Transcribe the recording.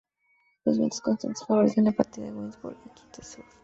Los vientos constantes favorecen la práctica de windsurf y kitesurf.